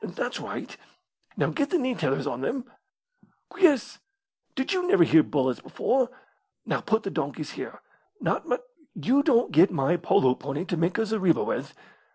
That's right. Now get the knee tethers on them. Quies! Did you never hear bullets before? Now put the donkeys here. Not much you don't get my polo pony to make a zareba with.